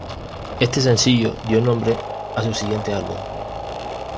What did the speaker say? Este sencillo dio nombre a su siguiente álbum.